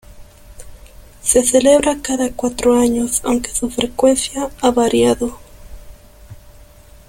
Se celebra cada cuatro años, aunque su frecuencia ha variado.